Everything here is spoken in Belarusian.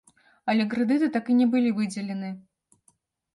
Але крэдыты так і не былі выдзелены.